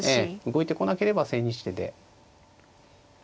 動いてこなければ千日手で。